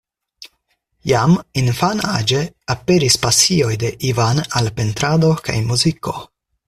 Jam infanaĝe aperis pasioj de Ivan al pentrado kaj muziko.